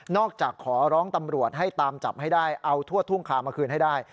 จากขอร้องตำรวจให้ตามจับให้ได้เอาทั่วทุ่งคามาคืนให้ได้